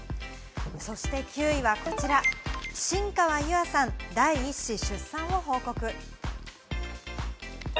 そして９位はこちら、新川優愛さん、第１子出産を報告。